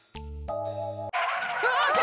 「うわ！」